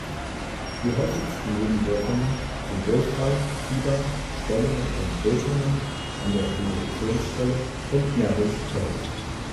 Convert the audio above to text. Die häufigsten Nebenwirkungen sind Durchfall, Fieber, Schwellungen und Rötungen an der Injektionsstelle und Nervosität.